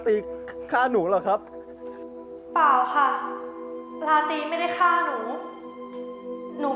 พี่ป๋องครับผมเคยไปที่บ้านผีคลั่งมาแล้ว